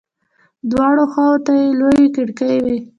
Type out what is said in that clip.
دواړو خواو ته يې لويې کړکۍ وې.